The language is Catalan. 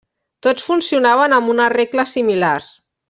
Tots funcionaven amb unes regles similars.